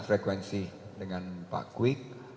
frekuensi dengan pak kwik